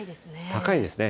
高いですね。